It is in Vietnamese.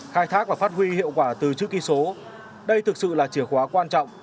khai thác và phát huy hiệu quả từ chữ ký số đây thực sự là chìa khóa quan trọng